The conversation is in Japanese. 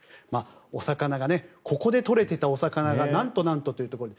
お魚が、ここで取れていたお魚がなんとなんとというところで。